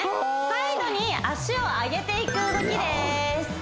サイドに脚を上げていく動きです